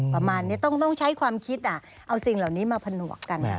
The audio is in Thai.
ประมาณนี้ต้องใช้ความคิดเอาสิ่งเหล่านี้มาผนวกกัน